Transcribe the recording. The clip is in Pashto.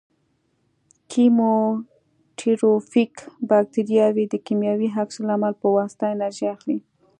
کیموټروفیک باکتریاوې د کیمیاوي عکس العمل په واسطه انرژي اخلي.